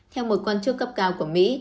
theo một quan chức cấp cao của mỹ